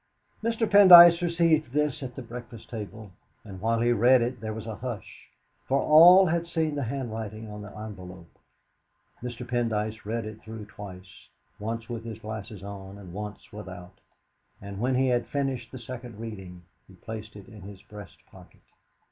Mr. Pendyce received this at the breakfast table, and while he read it there was a hush, for all had seen the handwriting on the envelope. Mr. Pendyce read it through twice, once with his glasses on and once without, and when he had finished the second reading he placed it in his breast pocket.